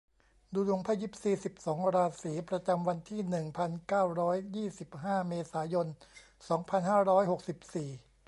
ดูดวงไพ่ยิปซี สิบสอง ราศี ประจำวันที่ หนึ่งพันเก้าร้อยยี่สิบห้า เมษายน สองพันห้าร้อยหกสิบสี่